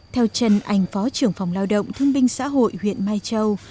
theo trần ảnh phó trưởng phòng lao động thương binh xã hội huyện mai châu